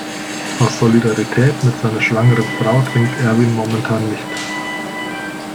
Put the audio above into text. Aus Solidarität mit seiner schwangeren Frau trinkt Erwin momentan nicht.